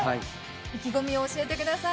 意気込みを教えてください。